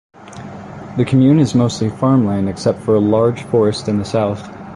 The commune is mostly farmland except for a large forest in the south.